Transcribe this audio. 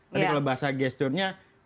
jadi kalau bahasa gesturnya